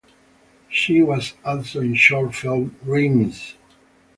She was also in the short film "Rings".